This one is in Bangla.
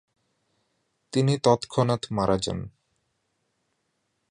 তিনি তৎক্ষণাৎ মারা যান।